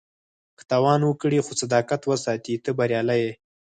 که تاوان وکړې خو صداقت وساتې، ته بریالی یې.